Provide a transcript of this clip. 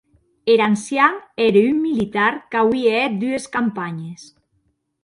Er ancian ère un militar qu'auie hèt dues campanhes.